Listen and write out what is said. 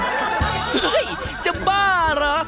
เฮ้ยจะบ้าระ